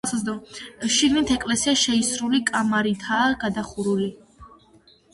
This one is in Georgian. შიგნით ეკლესია შეისრული კამარითაა გადახურული.